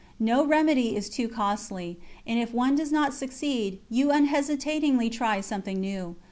No remedy is too costly, and if one does not succeed, you unhesitatingly try something new.